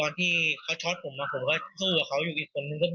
ตอนที่เขาช็อตผมมาผมก็สู้กับเขาอยู่อีกด้วย